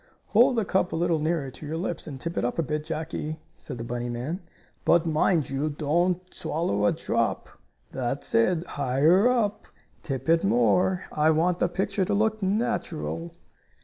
"Hold the cup a little nearer to your lips, and tip it up a bit, Jackie," said the bunny man. "But, mind you, don't swallow a drop. That's it, higher up! Tip it more. I want the picture to look natural."